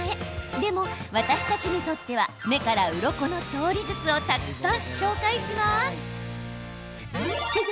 でも、私たちにとっては目からうろこの調理術をたくさん紹介します。